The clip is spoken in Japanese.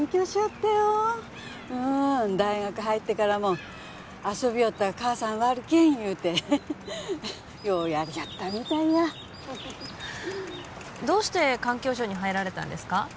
てよ大学入ってからも遊びよったら母さんに悪いけん言うてようやっとったみたいやどうして環境省に入られたんですか？